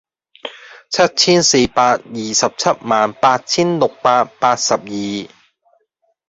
七千四百二十七萬八千六百八十二